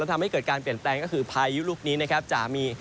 ทำให้เกิดการเปลี่ยนแปลงก็คือพายุลูกนี้นะครับจะมี